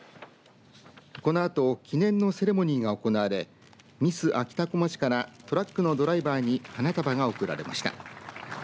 このあと記念のセレモニーが行われミスあきたこまちからトラックのドライバーに花束が贈られました。